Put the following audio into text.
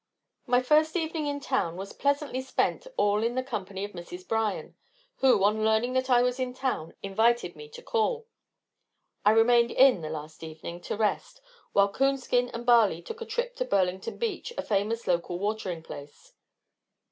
My first evening in town was pleasantly spent in the company of Mrs. Bryan, who, on learning that I was in town, invited me to call. I remained in the last evening to rest, while Coonskin and Barley took a trip to Burlington Beach, a famous local watering place.